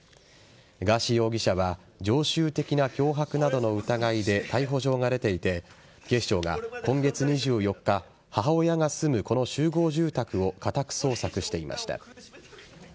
ガーシー容疑者は常習的な脅迫などの疑いで逮捕状が出ていて警視庁が今月２４日母親が住むこの集合住宅を家宅捜索していました。